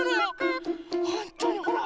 ほんとにほら！